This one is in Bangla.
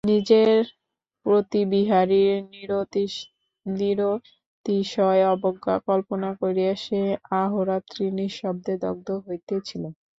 নিজের প্রতি বিহারীর নিরতিশয় অবজ্ঞা কল্পনা করিয়া সে অহোরাত্রি নিঃশব্দে দগ্ধ হইতেছিল।